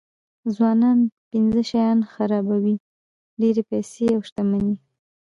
ځوانان پنځه شیان خرابوي ډېرې پیسې او شتمني.